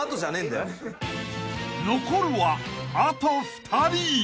［残るはあと２人］